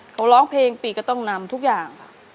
เขาร้องเพลงปีก็ต้องนำทุกอย่างค่ะ